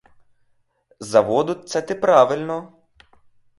За воду це ти правильно!